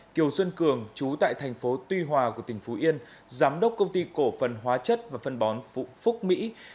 kiều xuân cường chú tại thành phố tuy hòa của tỉnh phú yên giám đốc công ty cổ phần hóa chất và phân bón phúc mỹ